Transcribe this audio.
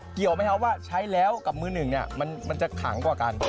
เกี่ยวไหมครับว่าใช้แล้วกับมือหนึ่งเนี่ยมันจะขังกว่ากัน